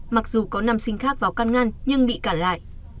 mặc dù có nam sinh khác vào căn ngăn nhưng bị cản lại